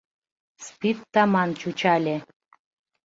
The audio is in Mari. Спирт таман чучале.